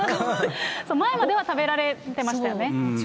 前までは食べられてましたよね。